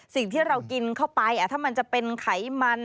สิ่งที่เรากินเข้าไปถ้ามันจะเป็นไขมัน